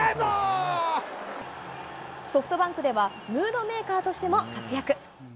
ソフトバンクでは、ムードメーカーとしても活躍。